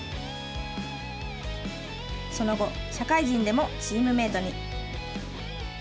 その後社会人でもチームメートに。